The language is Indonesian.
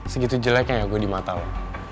segitu jeleknya yang gue dimatau